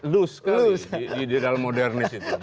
loose kali di dalam modernis itu